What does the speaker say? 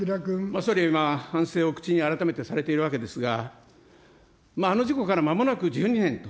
総理、今、反省を改めて口にされているわけですが、あの事故からまもなく１２年と。